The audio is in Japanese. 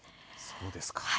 そうですか。